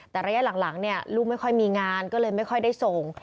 แต่ระยะหลังเนี่ยลูกไม่ค่อยมีงานก็เลยไม่ค่อยได้ส่ง